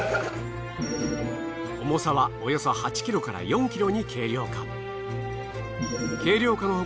重さはおよそ８ｋｇから４ｋｇに軽量化。